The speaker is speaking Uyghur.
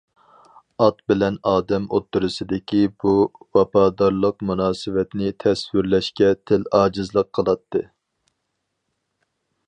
ئات بىلەن ئادەم ئوتتۇرىسىدىكى بۇ ۋاپادارلىق مۇناسىۋەتنى تەسۋىرلەشكە تىل ئاجىزلىق قىلاتتى.